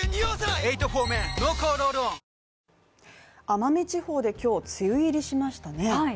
奄美地方で今日梅雨入りしましたね